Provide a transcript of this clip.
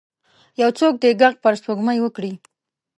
یو څوک دې ږغ پر سپوږمۍ وکړئ